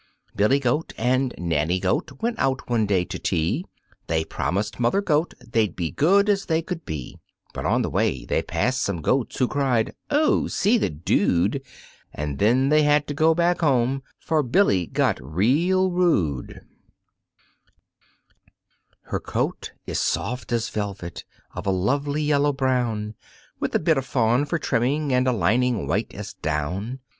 Billy Goat and Nanny Goat went out one day to tea. They promised Mother Goat they'd be good as they could be, But on the way they passed some goats who cried: "Oh, see the dude!" And then they had to go back home for Billy got real rude. Her coat is soft as velvet, of a lovely yellow brown, With a bit of fawn for trimming and a lining white as down.